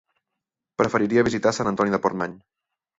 Preferiria visitar Sant Antoni de Portmany.